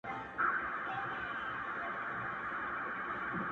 عجیبه ده لېونی آمر مي وایي”